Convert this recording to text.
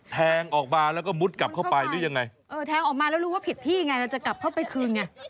แทงออกมาแล้วก็มุดกลับเข้าไปหรือยังไงเออแทงออกมาแล้วรู้ว่าผิดที่ไงเราจะกลับเข้าไปคืนไง